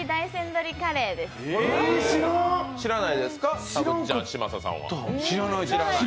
知らないですか、たぶっちゃん、嶋佐さんは？